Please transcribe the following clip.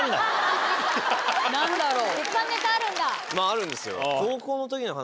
何だろう？